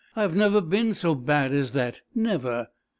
I have never been so bad as that; never.